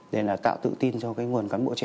để tạo tự tin cho nguồn cán bộ trẻ